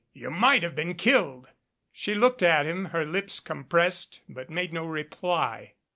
"You might have been killed." She looked at him, her lips compressed, but made no reply.